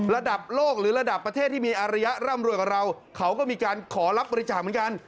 ระดับโลกหรือระดับประเทศที่มีอารยะร่ำรวยกับเราเขาก็มีการขอรับบริจาคเหมือนกัน